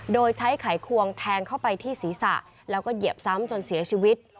โดยใช้ไขควงแทงเข้าไปที่ศีรษะแล้วก็เหยียบซ้ำจนเสียชีวิต